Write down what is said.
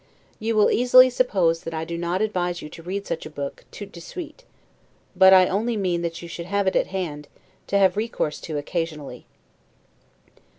You will easily suppose, that I do not advise you to read such a book 'tout de suite'; but I only mean that you should have it at hand, to have recourse to occasionally.